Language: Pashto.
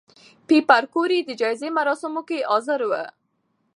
پېیر کوري د جایزې مراسمو کې حاضر و.